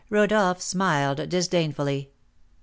Rodolph smiled disdainfully.